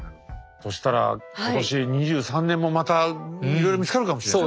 そしたら今年２３年もまたいろいろ見つかるかもしれない。